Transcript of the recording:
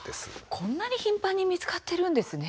こんなに頻繁に見つかっていたんですね。